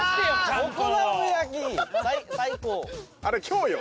あれ今日よ？